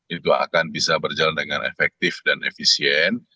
itu akan bisa berjalan dengan efektif dan efisien